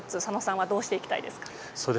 今後どうしていきたいですか？